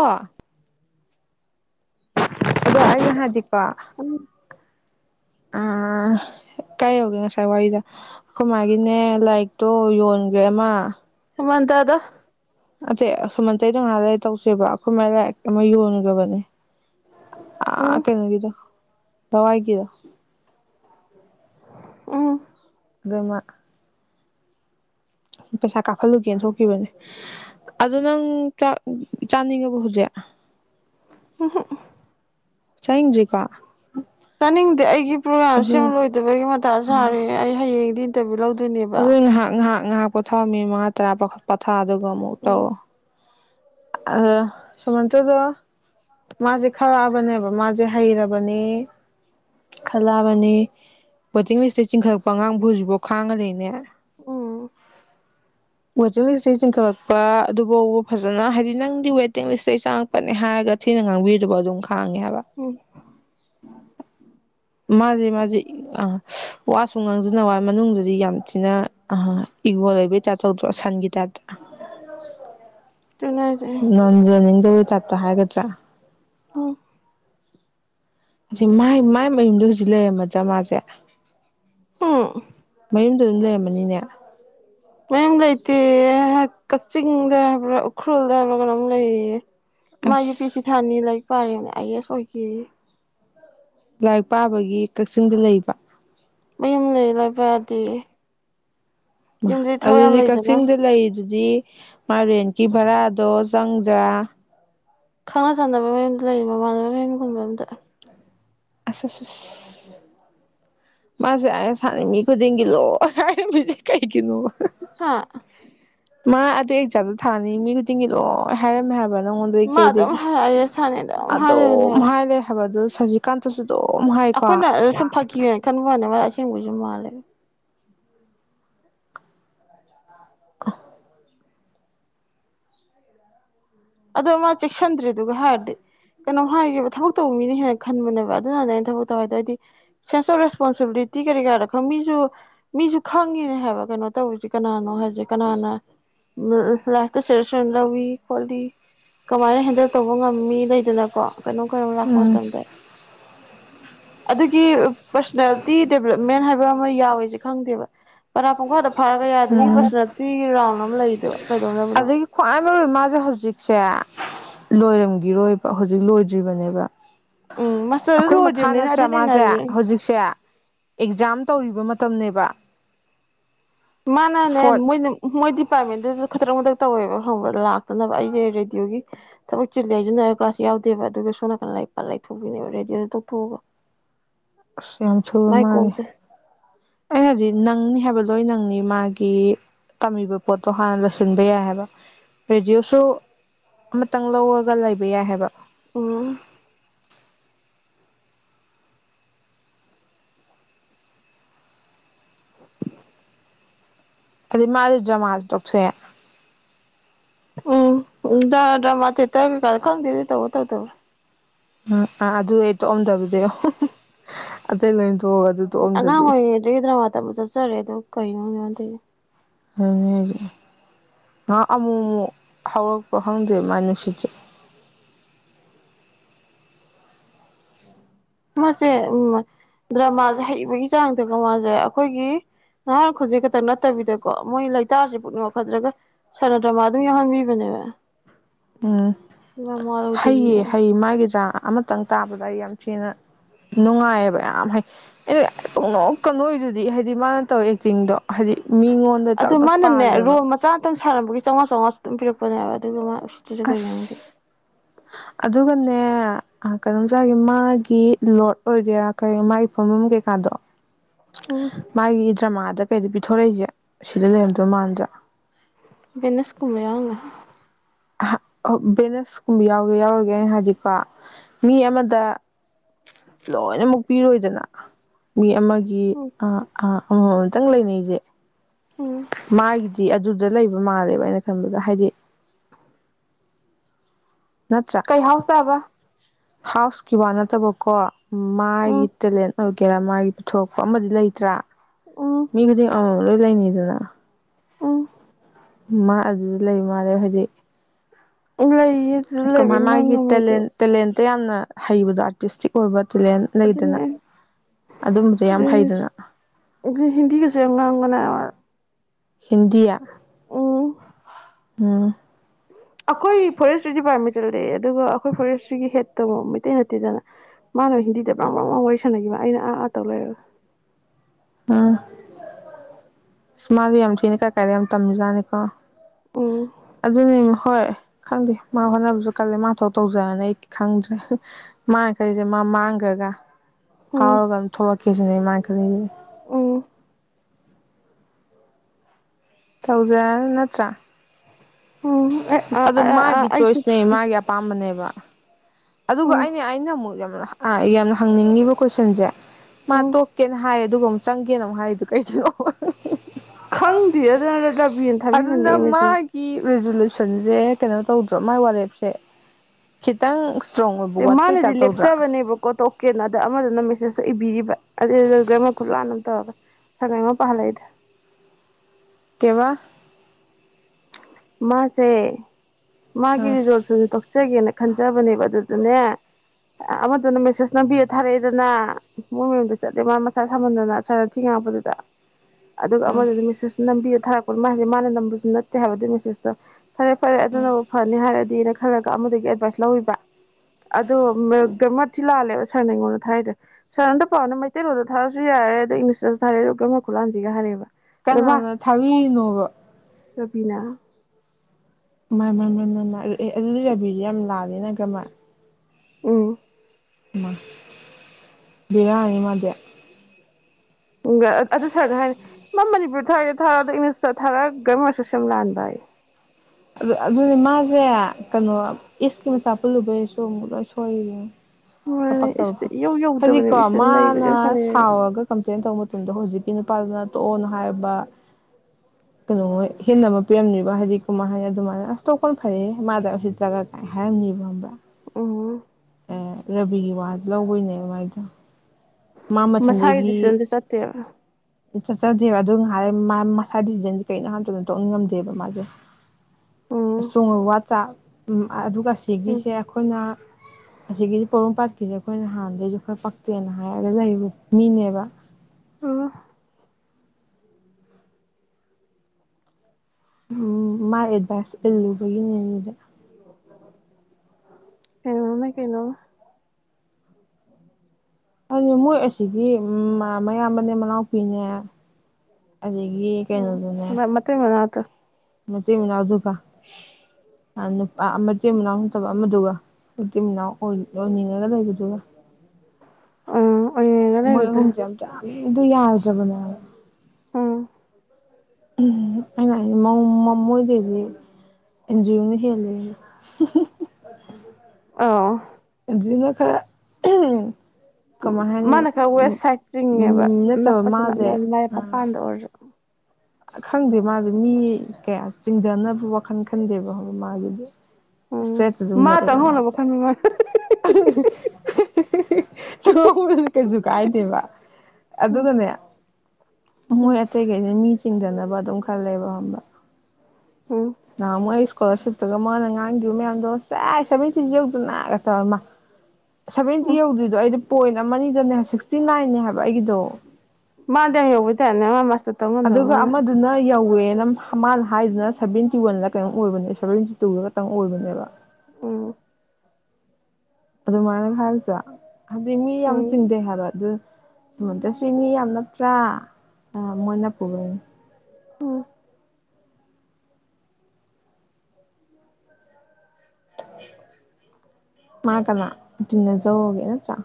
ꯑꯣ꯫ ꯑꯗꯣ ꯑꯩꯅ ꯍꯥꯏꯗꯤꯀꯣ꯫ ꯎꯝ ꯑ ꯀꯥꯏ ꯌꯧꯒꯔ꯭ꯦ ꯉꯁꯥꯏ ꯋꯥꯔꯤꯗꫭ꯫ ꯑꯩꯈꯣꯏ ꯃꯥꯒꯤꯅꯦ ꯂꯥꯏꯔꯤꯛꯇꯣ ꯌꯣꯟꯒ꯭ꯔꯦ ꯑꯃ꯫ ꯃꯗ ꯑꯗꯣ ꯑꯗꯦ ꯁꯨꯃꯥꯏꯗ ꯃꯥ ꯇꯧꯁꯦꯕ ꯑꯩꯈꯣꯏ ꯃ ꯂꯥꯏꯔꯤ ꯑꯃ ꯌꯣꯟꯈꯕꯅꯦ ꯑ ꯎꯝ ꯀꯩꯅꯩꯅ ꯀꯗꯣ ꯋꯥꯒꯗꯣ ꯎꯝ ꯑꯗꯨꯃ ꯄꯩꯁꯥ ꯀꯥꯞꯍꯜꯂꯨꯒꯦ ꯊꯣꯛꯈꯤꯕꯅꯦ ꯑꯗꯨ ꯅꯪ ꯆꯥꯅꯤꯡꯉꯕ ꯍꯧꯖꯤꯛ ꯆꯖꯀꯣ ꯆꯥꯅꯤꯡꯗꯦ ꯑꯩꯒꯤ ꯄ꯭ꯔꯣꯒꯥ꯭ꯔꯥꯝ ꯁꯦꯝꯂꯣꯏꯗꯕꯒꯤ ꯃꯇꯥ ꯁꯥꯔ ꯑꯩ ꯍꯌꯦꯡꯗꯤ ꯕꯤꯂ ꯑꯗꯨ ꯉꯍꯥꯛ ꯉꯍꯥꯛ ꯉꯥꯏꯍꯥꯛ ꯄꯣꯊꯥꯑ ꯃꯤ ꯃꯉꯥ ꯇꯔꯥ ꯄꯊꯥ ꯑꯗꯨꯒ ꯋꯥꯃ ꯎꯝ ꯇꯑꯣꯣ ꯑ ꯁꯃꯟꯇꯗ ꯃꯥꯁꯦ ꯈꯔꯕꯅꯦꯕ ꯃꯥꯖꯦ ꯍꯩꯔꯕꯅꯤ ꯈꯜꯂꯛꯑꯕꯅꯤ ꯕꯣꯇꯤꯡ ꯂꯤꯁꯇ ꯆꯤꯡꯈꯠꯂꯛꯄ ꯑꯉꯥꯡꯕꯨ ꯍꯧꯖꯤꯐꯥꯎ ꯈꯥꯡꯉ ꯂꯩꯅꯤ ꯎꯝ ꯖꯁꯦ ꯆꯤꯡꯈꯜꯂꯛꯄ ꯑꯗꯨꯐꯥꯎ ꯐꯖꯅ ꯍꯥꯏꯗꯤ ꯅꯪꯗꯤ ꯋꯦꯇꯤꯡ ꯂꯤꯁꯇꯒꯤ ꯆꯪꯉꯛꯄꯅꯦ ꯍꯥꯏꯔꯒ ꯊꯤꯅ ꯉꯥꯡꯕꯤꯕ ꯑꯗꯨꯝ ꯈ ꯈꯥꯡꯉꯦ ꯍꯥꯏꯕ ꯎꯝ ꯃꯥꯁꯦ ꯃꯥꯁꯦ ꯑ ꯋꯥꯁꯨ ꯉꯥꯡꯁꯤꯅ ꯋꯥ ꯃꯅꯨꯡꯗꯤ ꯌꯥꯝ ꯊꯤꯅ ꯑ ꯏꯒꯣ ꯂꯩꯕꯩ ꯇꯥꯏꯞ ꯇꯧꯗ꯭ꯔꯣ ꯁꯟꯒꯤ ꯇꯥꯏꯞꯇ ꯑꯗꯨꯅꯁꯦ ꯅꯖꯅꯤꯡꯗ ꯇꯥꯏꯞꯇ ꯍꯥꯏꯒꯗ꯭ꯔꯥ ꯑ ꯑꯁꯤ ꯃꯥꯏ ꯃꯌꯨꯝꯗ ꯍꯧꯖꯤꯛ ꯂꯩꯔꯝꯃꯗ꯭ꯔ ꯃꯥꯁꯦ ꯎꯝ ꯃꯌꯨꯝꯗ ꯑꯗꯨꯝ ꯂꯩꯔꯝꯃꯅꯤꯅꯦ ꯃꯌꯥꯝ ꯂꯩꯇꯦ ꯀꯛꯆꯤꯡꯗ ꯍꯥꯏꯕ꯭ꯔꯥ ꯎꯈ꯭ꯔꯨꯜꯗ ꯍꯥꯏꯕ꯭ꯔꯥ ꯀꯩꯅꯣꯝ ꯂꯩꯌꯦ ꯃꯥꯒꯤ ꯑꯁ ꯄꯤꯁꯤ ꯊꯥꯅꯤ ꯂꯥꯏꯛ ꯄꯔꯅꯦ ꯑꯥꯏ ꯑꯦꯁ ꯑꯣꯏꯈꯤ ꯂꯥꯏꯔꯤꯛ ꯄꯥꯕꯒꯤ ꯀꯛꯆꯤꯡꯗ ꯂꯩꯕ ꯃ ꯑꯃ ꯂꯩꯔꯕꯗꯤ ꯑꯗꯨꯗꯤ ꯀꯛꯁꯤꯤꯡꯗꯂꯦ [inaudible] ꯃꯥ ꯔꯦꯟꯀꯤ ꯚꯔꯥꯗꯣ ꯆꯪꯖ ꯈꯪꯅ ꯆꯥꯟꯅꯕ ꯃꯌꯨꯝꯗ ꯂꯩꯔꯤ ꯃꯃꯥꯟꯅꯕ ꯃꯌꯨꯝꯒꯨꯝꯕ ꯑꯝꯗ ꯑꯁ ꯑꯁ ꯑꯁ ꯃꯥꯁꯦ ꯑ ꯁꯥꯟꯅ ꯃꯤ ꯈꯨꯗꯤꯡꯒꯤ ꯂꯣꯏ ꯍꯥꯏꯔꯝꯃꯤꯁꯦ ꯀꯩꯒꯤꯅꯣꯕ ꯍꯥꯥ ꯃꯥ ꯑꯗꯨ ꯑꯦꯛꯖꯥꯝꯗ ꯊꯥꯅꯤ ꯃꯤ ꯈꯨꯗꯤꯡꯒꯤ ꯂꯣꯏ ꯍꯥꯏꯔꯝꯃꯦ ꯍꯥꯏꯕꯅꯤ ꯃꯥꯗꯃ ꯍꯥꯏꯌꯦ ꯁꯅꯦ ꯑꯗꯣ ꯃꯥꯦ ꯑꯗꯨ ꯁꯁꯤꯀꯥꯟꯇ ꯁ ꯑꯩꯈꯣꯏꯅ ꯁꯨꯝ ꯐꯥꯀꯤꯦ ꯀꯩꯅꯅꯨꯡꯅꯦꯥꯏ ꯖ ꯃꯥꯜꯦ [inaudible] ꯑꯗꯣ ꯃꯥ ꯆꯦꯛꯁꯤꯟꯗ꯭ꯔꯦꯗꯨꯒ ꯍꯥꯏꯔꯗꯤ ꯀꯩꯅꯣꯝ ꯍꯥꯏꯒꯦꯕ ꯊꯕꯛ ꯇꯧꯕ ꯃꯤꯅ ꯍꯦꯟꯅ ꯈꯟꯕꯅꯦꯕ ꯑꯗꯨꯅꯅ ꯑꯩꯅ ꯊꯕꯛ ꯇꯧꯋꯦꯗꯏꯗꯤ ꯁꯦꯟꯁ ꯑꯣꯐ ꯔꯦꯁꯄꯣꯟꯁꯤꯕꯤꯂꯤꯇꯤ ꯀꯔꯤ ꯀꯥꯗ ꯈꯪ ꯃꯤꯁꯨ ꯃꯤꯁꯨ ꯈꯪꯉꯤꯅꯦ ꯍꯥꯏꯕ ꯀꯩꯅꯣ ꯇꯧꯔꯤꯁꯤ ꯀꯅꯥꯅꯣ ꯍꯥꯏꯁꯦ ꯀꯅꯥꯅ ꯂꯥꯏꯐꯇ ꯁꯦꯔꯦꯁ ꯑꯣꯏꯅ ꯂꯧꯏꯤ ꯈꯣꯠꯂꯤ ꯀꯃꯥꯏꯅ ꯍꯦꯟꯗꯜ ꯇꯧꯕ ꯉꯝꯃꯤ ꯂꯩꯗꯅꯀꯣ ꯀꯩꯅꯣꯝ ꯀꯩꯅꯣꯝ ꯂꯥꯛꯄ ꯎꯝ ꯃꯇꯝꯗ ꯑꯗꯨꯒꯤ ꯄꯔꯁꯅꯦꯜꯂꯤꯇꯤ ꯗꯦꯕꯂꯞꯃꯦꯟ ꯍꯥꯏꯕ ꯑꯃ ꯌꯥꯎꯏꯁꯦ ꯈꯪꯗꯦꯕ ꯄꯔꯥ ꯄꯨꯡꯈꯥꯗ ꯐꯥꯔꯒ ꯌꯥꯗ ꯃꯤꯒꯤ ꯎꯝ ꯄꯔꯁꯅꯦꯜꯂꯤꯇꯤꯒꯤ ꯔꯥꯎꯟ ꯑꯃ ꯂꯩꯗꯕ ꯀꯩꯗꯧꯅꯕꯅꯣ ꯂꯣꯏꯔꯝꯈꯤꯔꯣꯏꯕ ꯍꯧꯖꯤꯛ ꯂꯣꯏꯗ꯭ꯔꯤꯕꯅꯦꯕ ꯎꯝ ꯃꯥꯁꯇꯔꯗꯨ ꯑꯩꯈꯣꯏ ꯃꯈꯥ ꯂꯣꯏꯗ꯭ꯔꯤꯕꯅꯤꯅ ꯅꯠꯇ꯭ꯔ ꯑꯗꯨꯅ ꯃꯥꯁꯦ ꯅꯩꯔꯦ ꯍꯧꯖꯤꯛꯁꯦ ꯑꯦꯛꯖꯥꯝ ꯇꯧꯔꯤꯕ ꯃꯇꯝꯅꯦꯕ ꯃꯥꯅꯅꯦ ꯐꯣꯔꯠ ꯃꯣꯏ ꯃꯣꯏ ꯗꯤꯄꯥꯔꯠꯃꯦꯟꯗꯨꯁꯨ ꯈꯇꯔꯪ ꯑꯃꯛꯇꯛ ꯇꯧꯋꯦꯕ ꯂꯥꯛꯇꯅꯕ ꯑꯩꯁꯦ ꯔꯦꯗꯤꯑꯣꯒꯤ ꯊꯕꯛ ꯆꯤꯂꯦ ꯍꯥꯏꯁꯤꯅ ꯀ꯭ꯂꯥꯁ ꯌꯥꯎꯗꯦꯕ ꯑꯗꯨꯒ ꯁꯣ ꯅꯥꯀꯟ ꯂꯩꯊꯣꯛꯄꯤꯅꯦꯕ ꯔꯦꯗꯤꯑꯣꯗ ꯇꯧꯊꯣꯛꯑꯒ ꯑꯁ ꯌꯥꯝ ꯊꯨꯕ ꯃꯥꯂꯦ ꯑꯩꯅꯗꯤ ꯅꯪꯅꯤ ꯍꯥꯏꯕꯗ ꯂꯣꯏ ꯅꯪꯅꯤ ꯃꯥꯒꯤ ꯇꯝꯃꯤꯕ ꯄꯣꯠꯇꯣ ꯍꯥꯟꯅ ꯂꯣꯏꯁꯤꯟꯕ ꯌꯥꯏ ꯍꯥꯏꯕ ꯔꯦꯗꯤꯌꯑꯣꯁꯨ ꯑꯃꯇꯪ ꯂꯧꯔꯒ ꯂꯩꯕ ꯌꯥꯏ ꯍꯥꯏꯕ ꯎꯝ ꯑ ꯃꯥꯔꯤ꯭ꯔ ꯃꯥꯜꯗ ꯁꯦ ꯎꯝ ꯗ ꯗ꯭ꯔꯃꯥ ꯆꯇ ꯀꯔ ꯈꯗꯗꯤ ꯇ ꯇ ꯇ ꯎꯝ ꯑ ꯑꯗꯨ ꯑꯩ ꯇꯣꯛꯑꯝꯗꯕꯗꯣ ꯑꯇꯩ ꯂꯣꯏ ꯇꯣꯛꯑꯒ ꯑꯗꯨ ꯑꯉꯥꯡ ꯇꯣꯛꯑꯝꯗ꯭ꯔꯗꯤ ꯑꯣꯏꯣꯏ ꯔꯍꯤꯗ꯭ꯔ ꯇ ꯆꯠꯆꯔꯦ ꯑꯗꯨꯣ ꯀꯩꯅꯣꯗꯗꯤ ꯑ ꯑ ꯑꯃꯨ ꯍꯧꯔꯛꯄ ꯈꯪꯗꯦ ꯃꯥꯥꯏ ꯅꯨꯡꯁꯤꯁꯦ ꯃꯁꯦ ꯎꯝ ꯗ꯭ꯔꯃꯥꯁꯦ ꯍꯩꯕꯒꯤ ꯆꯥꯡ ꯀꯃꯁꯦ ꯑꯩꯈꯣꯏꯒꯤ ꯅꯍꯥꯥꯟ ꯈꯖꯤꯛ ꯈꯛꯇꯪ ꯅꯠꯇꯕꯤꯗꯀꯣ ꯃꯣꯏ ꯂꯩꯇꯥꯔꯁꯦ ꯄꯨꯛꯅꯤꯡ ꯋꯥꯈꯗ꯭ꯔꯒ ꯁꯥꯟꯅꯗ꯭ꯔꯃꯥ ꯑꯗꯨ ꯌꯥ ꯍꯥꯟꯕꯤꯕꯅꯦꯕ ꯎꯝ ꯍꯩꯌꯦ ꯍꯩ ꯃꯥꯒꯤꯖꯥ ꯑꯃꯇꯪ ꯇꯥꯕꯗ ꯑꯩ ꯌꯥꯝ ꯊꯤꯅ ꯅꯨꯡꯉꯥꯏꯌꯦꯕ ꯌꯥꯝ ꯍꯩ ꯇꯣꯡꯅꯣꯛ ꯀ ꯅꯣꯏꯗꯨꯗꯤ ꯍꯥꯏꯗꯤ ꯃꯥꯅ ꯇꯧꯋꯦ ꯑꯦꯛꯇꯤꯡꯗꯣ ꯍꯥꯏꯗꯤ ꯃꯤꯉꯣꯟꯗ ꯇꯛ ꯇꯛ ꯄꯥꯜꯂꯦꯕ ꯁꯥꯟꯔꯝꯕꯒꯤ ꯆꯥꯝꯉ ꯆꯝꯉꯥ ꯑꯗꯨ ꯄꯤꯔꯛꯄꯅꯦꯕ ꯑꯗꯨꯃ ꯇꯔ ꯀ ꯌꯥꯗꯤ ꯑꯁ ꯑꯗꯨꯒꯅꯦ ꯀꯩꯅꯣꯝ ꯆꯒꯦ ꯃꯥꯒꯤ ꯂꯣꯠ ꯑꯣꯏꯒꯦꯔꯥ ꯀꯩ ꯃꯥꯒꯤ ꯐꯝꯐꯝ ꯀꯩꯀꯥꯗꯣ ꯎꯝ ꯃꯥꯒꯤ ꯗ꯭ꯔꯃꯥꯗ ꯀꯩꯗ ꯄꯤꯊꯣꯔꯛꯏꯁꯦ ꯁꯤꯗ ꯂꯩꯔꯝꯗꯣꯏ ꯃꯥꯟꯗ꯭ꯔꯥ ꯚꯦꯅꯁꯀꯨꯝꯕ ꯌꯥꯎꯔꯝꯒꯅꯤ ꯕꯦꯅꯁꯀꯨꯝꯕ ꯌꯥꯎꯒꯦ ꯌꯥꯎꯔꯒꯦ ꯑꯩꯅ ꯍꯥꯏꯖꯤꯄ ꯃꯤ ꯑꯃꯗ ꯂꯣꯏꯅꯃꯛꯨ ꯄꯤꯔꯣꯏꯗꯅ ꯃꯤ ꯑꯃ ꯎꯝ ꯎꯝ ꯦ ꯃꯥꯜꯂꯦꯕ ꯍꯥꯏꯅ ꯈꯟꯕꯗ ꯍꯥꯏꯗꯤ ꯀꯩ ꯍꯥꯎꯁ ꯇꯕ ꯍꯥꯎꯁꯀꯤꯤꯕꯥ ꯅꯠꯇꯕ ꯀꯣ ꯃꯥꯒꯤ ꯎꯝ ꯏꯠꯇ ꯂꯩꯦ ꯀꯔꯃꯥꯏ ꯄꯨꯊꯣꯛꯄ ꯑꯃꯗꯤ ꯂꯩꯇ꯭ꯔꯥ ꯎꯝ ꯃꯤ ꯈꯨꯗꯤꯡ ꯑꯃꯃꯝ ꯂꯣꯏ ꯂꯩꯅꯤꯗꯅ [inaudible] ꯎꯝ ꯃꯥ ꯑꯗꯨ ꯂꯩ ꯃꯥꯜꯂꯦ ꯍꯥꯏꯗꯤ ꯂꯩ ꯀꯃꯥꯏ ꯂꯩꯕꯤꯅꯤ ꯃꯥꯒꯤ ꯃꯥꯡꯅꯣꯏꯗ ꯇꯦꯂꯦꯟ ꯇꯦꯂꯦꯟꯇ ꯌꯥꯝꯅ ꯍꯩꯕꯗꯣ ꯑꯥꯔꯇꯤꯁꯇꯤꯛ ꯑꯣꯏꯕ ꯇꯦꯂꯦꯟ ꯂꯩꯗꯅ ꯑꯗꯨꯝꯕꯗꯣ ꯌꯥꯝ ꯍꯩꯗꯅ ꯑꯗꯨꯅꯦ ꯍꯤꯟꯗꯤꯒꯁꯨꯦ ꯌꯥꯝ ꯉꯥꯡꯕꯅ ꯍꯤꯟꯗꯤꯌꯥ ꯎ ꯎꯝ ꯑꯩꯈꯣꯏ ꯐꯣꯔꯦꯁꯇ ꯗꯤꯄꯥꯔꯠꯃꯦꯟ ꯆꯠꯂꯛꯑꯦ ꯑꯗꯨꯒ ꯑꯩꯈꯣꯏ ꯐꯣꯔꯦꯁꯇ꯭ꯔꯤꯒꯤ ꯍꯦꯠ ꯇꯧꯕꯣ ꯃꯩꯇꯩ ꯅꯠꯇꯦꯗꯅ ꯃꯥꯅ ꯍꯤꯟꯗꯤꯗ ꯄ꯭ꯔꯝ ꯄ꯭ꯔꯥ ꯋꯥꯔꯤ ꯁꯥꯟꯅꯈꯤꯕ ꯑꯩꯅ ꯑꯥ ꯑꯥ ꯇꯧ ꯂꯩꯔ ꯎꯝ ꯁꯃꯥꯗꯤ ꯑꯝꯇꯅꯤꯀ ꯀꯔꯤꯝ ꯇꯝꯗꯥꯅꯤꯀꯣ ꯑꯣ ꯑꯗꯨꯅꯤ ꯍꯣꯏ ꯈꯪꯗꯦ ꯃꯥ ꯍꯣꯠꯅꯕꯁꯨ ꯀꯜꯂꯦ ꯃꯥꯊ ꯇꯧꯖꯔꯅꯤ ꯑꯩ ꯈꯪꯗ꯭ꯔꯦ ꯃꯥ ꯀꯩꯁꯦ ꯃꯥ ꯃꯥꯡꯈ꯭ꯔꯒ ꯎꯝ ꯍꯥꯎꯔꯒꯝ ꯊꯂꯛ ꯀꯁꯅꯤ ꯃꯥꯒꯔꯤ ꯎꯝ ꯊꯧꯖꯟ ꯅꯠꯇ꯭ꯔꯥ ꯎꯝ ꯑꯗꯨ ꯃꯥꯒꯤ ꯑꯩꯁꯨ ꯆꯣꯏꯁꯅꯦ ꯃꯥꯒꯤ ꯑꯄꯥꯝꯕꯅꯦꯕ ꯑꯗꯨꯒ ꯎꯝ ꯑꯩꯅ ꯑꯩꯅ ꯑꯃꯨꯛ ꯌꯥꯝꯅ ꯑꯥ ꯌꯥꯝꯅ ꯍꯪꯅꯤꯡꯉꯤꯕ ꯀꯣꯏꯁꯟꯁꯦ ꯃꯥ ꯎꯝ ꯇꯣꯛꯀꯦꯅ ꯍꯥꯏꯌꯦ ꯑꯗꯨꯒ ꯆꯪꯒꯦꯅ ꯑꯃ ꯍꯥꯏꯗꯨ ꯈꯪꯗꯦ ꯑꯗꯨꯅꯅ ꯗꯥꯕꯤꯅ ꯊꯥꯕꯤꯕꯅꯦ ꯑꯩ ꯃꯁ ꯇꯨꯁꯟꯁꯦ ꯀꯩꯅꯣ ꯇꯧꯗ꯭ꯔꯣ ꯃꯥꯏ ꯋꯥꯔꯦꯞꯁꯦ ꯈꯤꯇꯪ ꯏꯁꯇ꯭ꯔꯣꯡ ꯑꯣꯏꯕ ꯋꯥꯠꯄꯩ ꯃꯥꯅꯗꯤ ꯇꯥꯏꯞ ꯇꯧꯗ꯭ꯔꯥ ꯂꯦꯞꯆꯕꯅꯦꯕꯀꯣ ꯇꯣꯀꯦꯅ ꯑꯗ ꯑꯃꯗꯅ ꯃꯦꯁꯦꯁꯇ ꯏꯕꯤ ꯑꯗ ꯑꯗꯨ ꯭ꯔꯃꯄꯨꯂꯥꯟꯅ ꯇ ꯁꯉꯦꯡꯉ ꯄꯍꯂꯗ ꯀꯕ ꯃꯥꯁꯦ ꯑꯥ ꯃꯥꯒꯤꯗꯤꯖꯣꯣꯔꯁ ꯇꯣꯛꯆꯒꯦꯅꯦ ꯈꯟꯖꯕꯅꯦꯕ ꯑꯗꯨꯗꯨꯅꯦ ꯑꯃꯗꯨꯅ ꯃꯦꯁꯦꯖ ꯅꯝꯕꯤꯔ ꯊꯥꯔꯛꯑꯦꯗꯅ ꯃꯣꯏ ꯃꯌꯨꯝꯗ ꯆꯠꯂꯦ ꯃꯥ ꯃꯁꯥ ꯁꯥꯃꯟꯗꯅ ꯁꯥꯔ ꯊꯤ ꯉꯥꯡꯄꯗꯨꯗ ꯑꯗꯨꯒ ꯑꯥ ꯑꯃꯗꯗꯤ ꯃꯤꯁꯦꯁ ꯅꯝꯕꯤ ꯊꯥꯔꯛꯄ ꯃꯥ ꯍꯥꯏꯁꯦ ꯃꯥꯅ ꯅꯝꯕꯁꯨ ꯅꯠꯇꯦ ꯍꯥꯏꯕ ꯑꯗꯨ ꯆꯁ ꯐꯔꯦ ꯐꯔꯦ ꯑꯗꯨꯅꯕꯨ ꯐꯅꯤ ꯍꯥꯏꯔꯗꯤ ꯈꯪꯔꯒ ꯑꯃꯗꯒꯤ ꯑꯦꯗꯚꯥꯏꯁ ꯂꯤꯕ꯭ꯔꯥ ꯑꯗ ꯃ ꯊꯂꯑꯂꯦ ꯁꯅꯉ ꯊꯥꯏꯔꯦ ꯁꯔꯗ ꯄꯅꯃꯦꯇ ꯑꯣꯏ ꯊꯥꯔꯁꯨ ꯌꯥꯔꯦ ꯑꯗ ꯏꯪꯂꯤꯁꯇꯁꯨ ꯊꯔꯦꯗ ꯔꯃꯔ ꯈꯨꯠꯂꯥꯟꯁꯤꯒ ꯍꯥꯏꯔꯦꯕ ꯀꯅꯥꯅ ꯊꯥꯕꯤꯔꯤꯅꯣꯕ ꯔꯕꯤꯅꯥ ꯃꯥ ꯃꯥ ꯃꯥ ꯃꯥ ꯃꯥ ꯑꯦ ꯑꯗꯨꯗꯤ ꯔꯕꯤꯗꯤ ꯌꯥꯝ ꯂꯥꯜꯂꯦꯅ ꯀꯃ ꯎꯝ ꯎ ꯕꯤꯔꯅꯤꯤ ꯃꯗꯤ ꯑꯗꯨ ꯁꯥꯔꯗ ꯍꯥꯏꯔꯦ ꯃꯥ ꯃꯅꯤꯄꯨꯔꯗ ꯊꯥꯔꯒꯦ ꯊꯥꯔꯗ ꯏꯪꯂꯤꯁꯇ ꯊꯥꯔ ꯭ꯔꯃ ꯁꯁꯝ ꯂꯥꯟ ꯥꯏ ꯑꯗꯨ ꯑꯗꯨꯅꯦ ꯃꯥꯁꯦ ꯀꯩꯅꯣ ꯏꯁꯀꯤ ꯃꯆꯥ ꯄꯨꯜꯂꯨꯕꯩꯁꯨ ꯑꯃꯨꯛ ꯂꯣꯏ ꯁꯣꯏꯔꯤꯅꯦ ꯃꯥꯅꯦ ꯏꯁꯇ ꯏꯌꯧ ꯍꯧꯖꯤꯛꯀꯣ ꯌꯧꯗꯕꯅꯦꯕ ꯏꯁꯇ ꯅꯩꯕꯅꯦ ꯃꯥꯅ ꯌꯥꯝ ꯁꯥꯟꯅꯩꯔꯒ ꯁꯥꯎꯔꯒ ꯀꯝꯄ꯭ꯂꯦꯟ ꯇꯧꯕ ꯃꯇꯝꯗ ꯍꯧꯖꯤꯛ ꯏ ꯅꯨꯄꯥꯗꯨꯅ ꯇꯣꯛꯑꯣꯅ ꯍꯥꯏꯕ ꯀꯩꯅꯣ ꯍꯦꯟꯅꯕ ꯄꯤꯔꯝꯅꯦꯕ ꯍꯥꯏꯗꯤ ꯀꯨꯝꯃ ꯍꯥꯏ ꯑꯗꯨꯃꯥꯏꯅ ꯑꯁ ꯇꯣꯛ ꯀꯣꯟ ꯐꯔꯑꯦ ꯃꯥꯗꯁꯤꯠꯇ꯭ꯔꯒ ꯀꯥꯏ ꯍꯥꯏꯔꯝꯅꯤꯕꯪꯕ꯭ꯔꯥ ꯎꯝ ꯎꯪ ꯔꯕꯤ ꯋꯥꯗ ꯂꯧꯕꯣꯏꯅꯦ ꯃꯥꯏꯗꯣ ꯃꯥ ꯃꯁꯥꯒꯤ ꯃꯊꯟꯗꯒꯤ ꯗꯤꯁꯤꯖꯟꯗꯤ ꯆꯠꯇꯦꯕ ꯆꯠꯆꯗꯦꯕ ꯑꯗꯨ ꯉꯍꯔꯦ ꯃ ꯃꯁꯥ ꯗꯤꯖꯤꯖꯟꯖꯦ ꯀꯩꯅꯣ ꯍꯥꯟꯇꯗ ꯇꯣꯛꯅꯤꯡ ꯉꯝꯗꯦꯕ ꯃꯥꯖꯦ ꯎꯝ ꯏꯁꯇꯣꯡ ꯋꯥꯠ ꯆ ꯎꯝ ꯑꯗꯨꯒ ꯎꯝ ꯁꯤꯒꯤꯁꯦ ꯑꯩꯈꯣꯏꯅ ꯑꯁꯤꯒꯤꯖ ꯄꯣꯔꯣꯝꯄꯥꯥꯠꯀꯤꯁꯦ ꯑꯩꯈꯣꯏꯅ ꯍꯥꯟꯗꯩꯁꯨ ꯈꯔ ꯄꯛꯇꯦꯅ ꯍꯥꯏꯔꯒ ꯂꯩꯕ ꯃꯤꯅꯦꯕ ꯎꯝ ꯎꯝ ꯃꯥꯥꯏ ꯑꯦꯗꯚꯥꯏꯁ ꯏꯜꯂꯨꯕꯒꯤꯅꯤꯗ ꯀꯩꯅꯣꯃꯦ ꯀꯩꯩꯅꯪꯃ ꯑꯧꯅꯦ ꯃꯣꯏ ꯑꯁꯤꯒꯤ ꯃ ꯃꯌꯥꯝꯕꯅꯦ ꯃꯅꯥꯎꯄꯤꯅꯦ ꯑꯗꯒꯤ ꯃ ꯃꯇꯩ ꯃꯅꯥꯇ ꯃꯆꯤ ꯃꯅꯥꯎꯗꯨꯒ ꯄꯥ ꯅꯨ ꯑꯥ ꯃꯆꯤ ꯃꯅꯥꯎ ꯅꯠꯇꯕ ꯑꯃꯗꯨꯒ ꯃꯆꯤꯟ ꯃꯅꯥꯎ ꯑꯣꯏꯅꯤꯡꯉꯒ ꯂꯩꯕꯗꯨꯒ ꯎꯝ ꯑꯣꯏꯅꯤꯡꯉꯒ ꯃꯣꯏ ꯂꯩꯕꯗꯣ ꯍꯧꯝꯖ ꯑꯝꯆꯥ ꯑꯗꯨ ꯌꯥꯔꯨꯗꯕꯅ ꯍꯥꯏꯕ ꯎꯝ ꯑꯩꯅ ꯍꯥꯏꯗꯤ ꯃꯧ ꯃ ꯃꯣꯏꯗꯩꯗꯤ ꯑꯦꯟꯖꯨꯅ ꯍꯦꯜꯂꯦꯌꯦ ꯍꯝ ꯑꯝ ꯑꯧ ꯑꯦꯟꯖꯨꯅ ꯈꯔ ꯀꯃꯥꯏ ꯍꯥꯏꯅꯤ ꯃꯥꯅ ꯈꯔ ꯋꯦꯁ ꯁꯥꯏꯠ ꯆꯤꯡꯉꯦꯕ ꯎꯝ ꯅꯠꯇꯕ ꯅꯞꯄꯁꯅ ꯃꯥꯁꯦ ꯉꯡꯃ ꯃꯥꯏ ꯃꯄꯥꯟꯗ ꯑꯣꯏꯔꯁꯨ ꯈꯪꯗꯦ ꯃꯥꯗꯤ ꯃꯤ ꯀꯌꯥ ꯆꯤꯡꯗꯅꯕ ꯋꯥꯈꯜ ꯈꯟꯗꯦꯕ ꯍꯝ ꯃꯥꯒꯤꯗꯤ ꯎꯝ ꯁꯇ꯭ꯔꯦꯠꯇ ꯑꯗꯨꯝ ꯃꯥ ꯂꯩꯑꯦꯑ ꯆꯪꯍꯧꯅꯕ ꯃꯗꯤ ꯈꯟꯕ ꯃꯥ ꯑꯍ ꯑ ꯍ ꯍ ꯏ ꯆꯉꯣ ꯀꯩꯁꯨ ꯀꯥꯏꯗꯦꯕ ꯎꯝ ꯑꯗꯨꯒꯅꯦ ꯎꯝ ꯃꯣꯏ ꯑꯇꯩ ꯒꯩꯅ ꯃꯤ ꯆꯤꯡꯗꯅꯕ ꯑꯗꯨꯝ ꯈꯜꯂꯦꯕ ꯍꯝꯕ ꯎꯝ ꯅꯍꯥꯃꯨꯛ ꯑꯩ ꯏꯀꯣꯂꯔꯁꯤꯞ ꯇ ꯒ ꯃꯅꯥ ꯉ ꯥꯒꯤꯕ ꯃꯌꯥꯝꯗꯣ ꯁꯥꯏ ꯁꯖꯤ ꯆꯗꯤ ꯌꯧꯗꯅꯒ ꯇꯃ ꯁꯚꯦꯟꯇꯤ ꯎꯝ ꯌꯧꯗ꯭ꯔꯤꯗꯣ ꯑꯩꯗꯣ ꯄꯣꯏꯟ ꯑꯃꯅꯤꯅꯗꯅꯦ ꯁꯤꯛꯁꯇꯤ ꯅꯥꯏꯟꯅꯦ ꯍꯥꯏꯕ ꯑꯩꯒꯤꯗꯣ ꯃꯥꯗꯤ ꯌꯥꯝ ꯌꯧꯕꯩ ꯇꯥꯏꯞꯅꯦ ꯃꯥ ꯃꯥꯁꯇꯔ ꯇꯧ ꯉꯝꯗꯕ ꯑꯗꯨꯒ ꯃꯥꯅ ꯑꯃꯗꯨꯅ ꯌꯧꯋꯦ ꯃꯥꯟ ꯍꯥꯏꯗꯨꯅ ꯁꯚꯤꯟ ꯇꯤ ꯋꯟꯂ ꯀꯩꯅꯣꯝ ꯑꯣꯏꯕꯅꯦ ꯁꯚꯦꯟꯇꯤ ꯇꯨꯔ ꯈꯇꯪ ꯑꯣꯏꯕꯅꯦꯕ ꯎꯝ ꯑꯗꯨ ꯃꯥꯥꯏꯅ ꯑꯝ ꯍꯥꯏꯔꯨ ꯆꯌꯥ ꯍꯗꯤ ꯃꯤ ꯌꯥꯝ ꯎꯝ ꯆꯤꯡꯗꯦ ꯍꯥꯏꯕ ꯑꯗꯨ ꯁꯣꯟꯗꯆꯤ ꯃꯤ ꯌꯥꯝ ꯅꯞꯇ꯭ꯔꯥ ꯑ ꯃꯣꯏꯅ ꯄꯨꯕꯩꯅꯤ ꯎꯝ ꯃꯥ ꯀꯅꯥ ꯗꯤꯅꯖꯩꯑꯣ ꯒꯦ ꯅꯠꯇꯔꯥ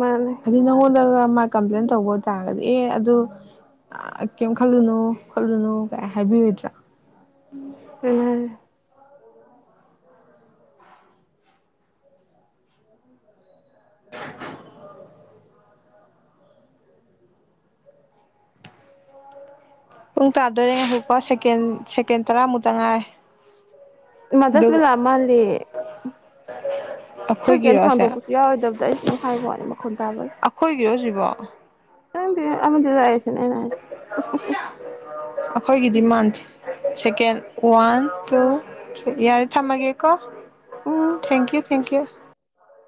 ꯃꯥꯅꯦ ꯍꯥꯏꯗꯤ ꯅꯪꯉꯣꯟꯗꯒ ꯃꯥ ꯀꯝꯄ꯭ꯂꯦꯟ ꯇꯧꯕ ꯇꯔꯒꯗꯤ ꯑꯦ ꯑꯗꯨ ꯑ ꯀꯩꯝ ꯈꯜꯂꯨꯅꯨ ꯈꯣꯠꯂꯨꯅꯨ ꯀꯥꯏ ꯍꯥꯏꯕꯤꯔꯣꯏꯗ꯭ꯔꯥ ꯑꯗꯨꯅꯦ ꯍꯥꯏꯁꯦ [inaudible] ꯄꯨꯡ ꯇꯥꯗꯣꯏꯔꯤ ꯈꯛꯀꯣ ꯁꯦꯀꯦꯟ ꯁꯦꯀꯦꯟ ꯇꯔꯥꯃꯨꯛꯇ ꯉꯥꯏꯔꯦ ꯃꯥ ꯗꯨꯒ ꯗꯁꯕꯤꯂꯥ ꯑꯩꯣꯏ ꯀꯩ ꯊꯥꯗꯣꯛꯄꯁꯨ ꯌꯥꯎꯔꯣꯏꯗꯕꯗ ꯑꯩꯁꯨ ꯁꯨꯝ ꯍꯥꯏꯕ ꯋꯥꯅꯤ ꯃꯈꯣꯟ ꯇꯥꯕꯩ ꯑꯩꯈꯣꯏꯒꯤ ꯗꯤꯃꯥꯟꯁꯦ ꯁꯦꯀꯦꯟ ꯋꯥꯟ ꯇꯨ ꯊ ꯌꯥꯔ ꯊꯃꯒꯦꯀꯣ ꯎꯝ ꯊꯦꯡꯀꯤꯌꯨ ꯊꯦꯡꯀꯤ꯭ꯌꯨ